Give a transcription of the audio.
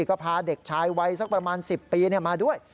ก็พาเด็กชายวัยสักประมาณ๑๐ปีมาด้วย